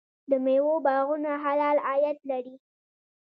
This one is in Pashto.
د میوو باغونه حلال عاید لري.